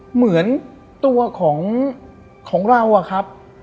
เหมือนตัวของเรา